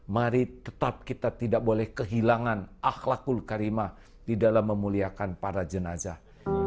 mari tetap kita tidak boleh kehilangan akhlakul karimah di dalam memuliakan para jenazah